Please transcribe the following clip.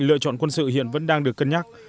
lựa chọn quân sự hiện vẫn đang được cân nhắc